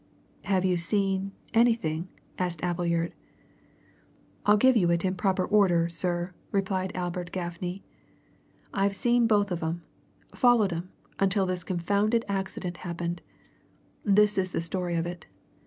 "Have you seen anything?" asked Appleyard. "I'll give you it in proper order, sir," replied Albert Gaffney. "I've seen both of 'em followed 'em, until this confounded accident happened. This is the story of it.